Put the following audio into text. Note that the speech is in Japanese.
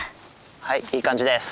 はいいい感じです。